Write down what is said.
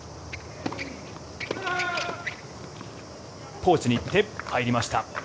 ポーチに行って入りました。